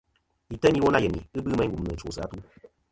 Yì teyn iwo nâ yenì , ghɨ bɨ meyn gumnɨ chwosɨ atu.